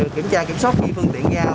kiểm tra kiểm soát những phương tiện ra